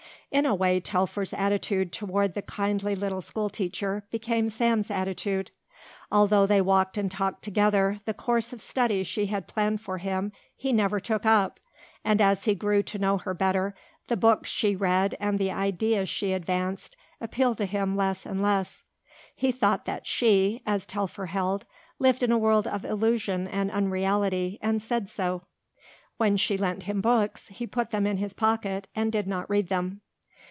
In a way Telfer's attitude toward the kindly little school teacher became Sam's attitude. Although they walked and talked together the course of study she had planned for him he never took up and as he grew to know her better, the books she read and the ideas she advanced appealed to him less and less. He thought that she, as Telfer held, lived in a world of illusion and unreality and said so. When she lent him books, he put them in his pocket and did not read them.